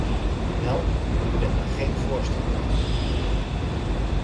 Wel, ik ben daar geen voorstander van.